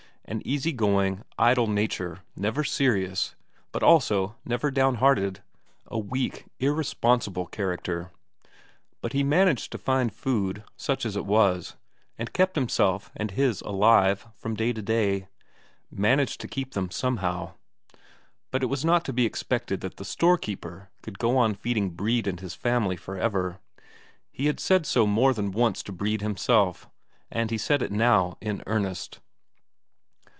An easy going, idle nature, never serious, but also never down hearted, a weak, irresponsible character; but he managed to find food, such as it was, and kept himself and his alive from day to day; managed to keep them somehow. But it was not to be expected that the storekeeper could go on feeding Brede and his family for ever; he had said so more than once to Brede himself, and he said it now in earnest.